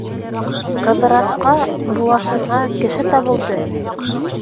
Ҡыҙырасҡа булашырға кеше табылды!..